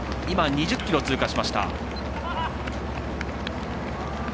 ２０ｋｍを通過しました。